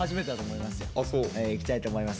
いきたいと思います。